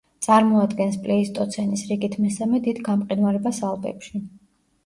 წარმოადგენს პლეისტოცენის რიგით მესამე დიდ გამყინვარებას ალპებში.